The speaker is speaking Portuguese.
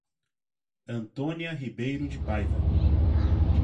Antônia Ribeiro de Paiva